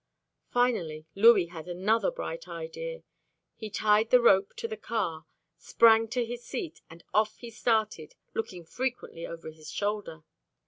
Finally, Louis had another bright idea. He tied the rope to the car, sprang to his seat, and off he started, looking frequently over his shoulder.